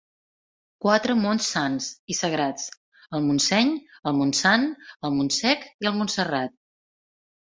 Quatre monts sants i sagrats: el Montseny, el Montsant, el Montsec i el Montserrat.